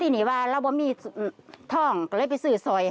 สินิวาเราบ้านมีท่องคุณเลยไปสื่อส่อย